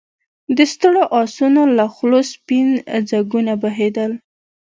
د ستړو آسونو له خولو سپين ځګونه بهېدل.